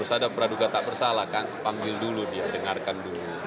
harus ada praduga tak bersalah kan panggil dulu dia dengarkan dulu